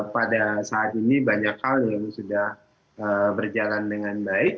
pada saat ini banyak hal yang sudah berjalan dengan baik